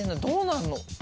どうなるの？